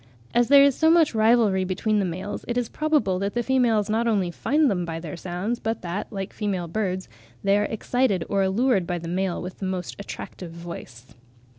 As there is so much rivalry between the males, it is probable that the females not only find them by their sounds, but that, like female birds, they are excited or allured by the male with the most attractive voice.